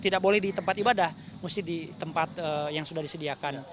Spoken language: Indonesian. tidak boleh di tempat ibadah mesti di tempat yang sudah disediakan